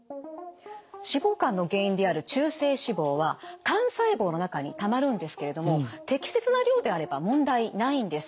脂肪肝の原因である中性脂肪は肝細胞の中にたまるんですけれども適切な量であれば問題ないんです。